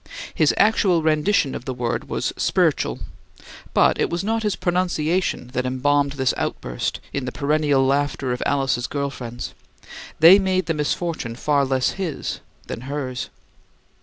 His actual rendition of the word was "spirichul"; but it was not his pronunciation that embalmed this outburst in the perennial laughter of Alice's girl friends; they made the misfortune far less his than hers.